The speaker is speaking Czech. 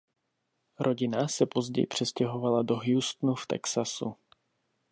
Rodina se později přestěhovala do Houstonu v Texasu.